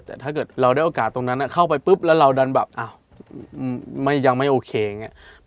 แต่ถ้าเกิดเราได้โอกาสตรงนั้นเข้าไปปุ๊บแล้วเราดันแบบอ้าวยังไม่โอเคอย่างนี้